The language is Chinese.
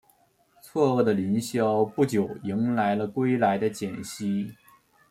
错愕的林萧不久迎来了归来的简溪。